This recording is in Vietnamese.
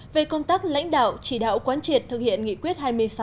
về công tác lãnh đạo chỉ đạo quán triệt thực hiện nghị quyết hai mươi sáu